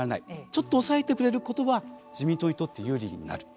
ちょっと抑えてくれることは自民党にとって有利になる。